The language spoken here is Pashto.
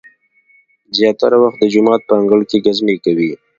زیاتره وخت د جومات په انګړ کې ګزمې کوي.